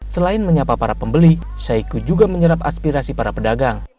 selain menyapa para pembeli saiku juga menyerap aspirasi para pedagang